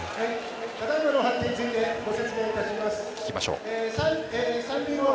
ただいまの判定についてお話しします。